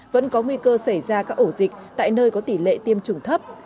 vẫn có nguy cơ xảy ra các ổ dịch tại nơi có tỷ lệ tiêm chủng thấp